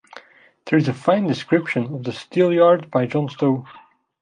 There is a fine description of the Steelyard by John Stow.